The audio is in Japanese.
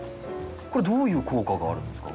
これどういう効果があるんですか？